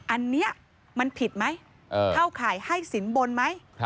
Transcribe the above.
อันนี้มันผิดไหมเข้าข่ายให้สินบนไหม